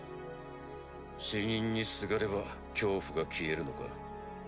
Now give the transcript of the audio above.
死人にすがれば恐怖が消えるのか？